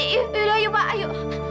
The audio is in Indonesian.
yaudah pak ayo